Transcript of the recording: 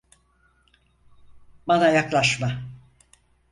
Bana yaklaşma!